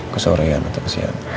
kesorean atau kesian